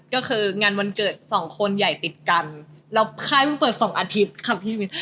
ก็คืองานวันเกิดสองคนใหญ่ติดกันแล้วค่ายพึ่งเปิดสองอาทิตย์